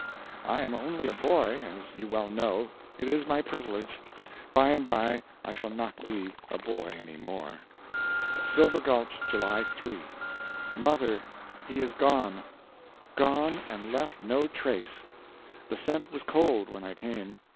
I am only a boy, as you well know; it is my privilege. By and by I shall not be a boy any more. SILVER GULCH, July 3. Mother, he is gone! Gone, and left no trace. The scent was cold when I came.